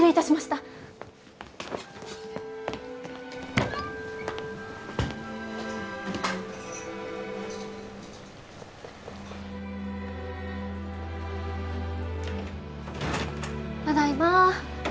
ただいま。